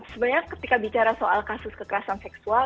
sebenarnya ketika bicara soal kasus kekerasan seksual